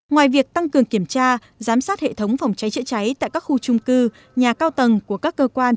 ngoài việc tăng cường kiểm tra giám sát hệ thống phòng cháy chữa cháy tại các khu trung cư nhà cao tầng của các cơ quan